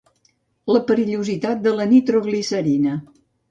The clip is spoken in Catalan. La perillositat de la nitroglicerina.